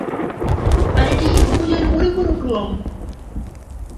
আর এটি সবুজের পরিপূরক রঙ।